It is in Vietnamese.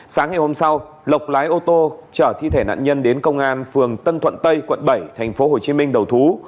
sáng ngày hôm sau lộc lái ô tô chở thi thể nạn nhân đến công an phường tân thuận tây quận bảy tp hcm đầu thú